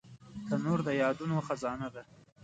تنور د یادونو خزانه ده